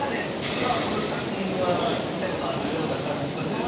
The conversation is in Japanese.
さあこの写真は見た事あるような感じしますよね。